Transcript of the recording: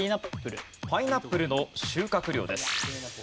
パイナップルの収穫量です。